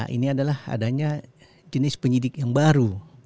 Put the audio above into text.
ini adalah adanya jenis penyidik yang baru